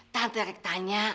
tante rek tanya